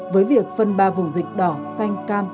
với việc phân ba vùng dịch đỏ xanh cam